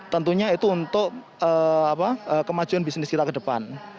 tentunya itu untuk kemajuan bisnis kita ke depan